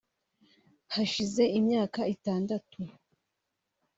hashize imyaka itandatu